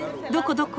どこ？